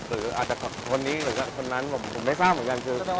หรืออาจจะคนนี้หรือว่าคนนั้นผมไม่ทราบเหมือนกันคือ